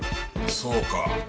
そうか。